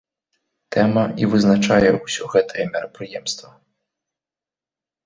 Тэма і вызначае ўсё гэтае мерапрыемства.